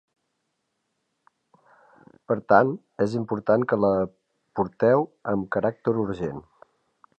Per tant, és important que l'aporteu amb caràcter urgent.